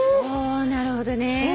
なるほどね。